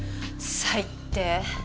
最低！